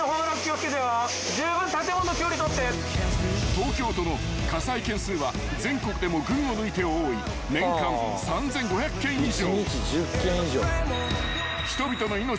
［東京都の火災件数は全国でも群を抜いて多い年間３，５００件以上］